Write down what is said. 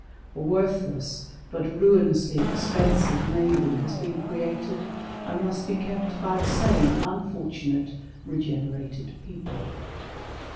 A worthless but ruinously expensive navy has been created and must be kept by the same unfortunate " regenerated " people.